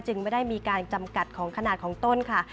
ไม่ได้มีการจำกัดของขนาดของต้นค่ะ